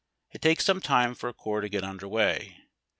It takes some time for a corps to get under way.